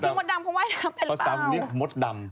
คือมดดำเขาว่ายน้ำเป็นหรือเปล่าภาษาบ้านเรียกว่ามดดำ